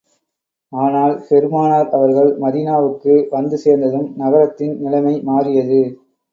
ஆனால், பெருமானார் அவர்கள் மதீனாவுக்கு வந்து சேர்ந்ததும், நகரத்தின் நிலைமை மாறியது.